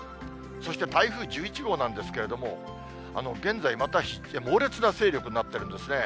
そして台風１１号なんですけれども、現在、また猛烈な勢力になってるんですね。